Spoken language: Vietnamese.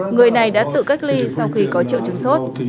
người này đã tự cách ly sau khi có triệu chứng sốt